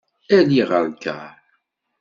Ali ɣer lkar.